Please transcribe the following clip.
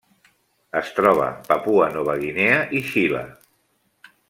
Es troba a Papua Nova Guinea i Xile.